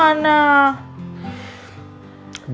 apa apa sama dendri sih gimana